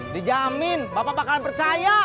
dijamin bapak bakalan percaya